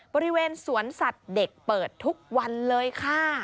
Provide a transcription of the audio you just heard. บริเวณสวนสัตว์เด็กเปิดทุกวันเลยค่ะ